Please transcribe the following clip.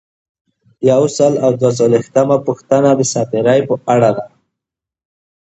یو سل او دوه څلویښتمه پوښتنه د دساتیر په اړه ده.